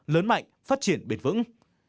lớn mạnh phát triển bền vững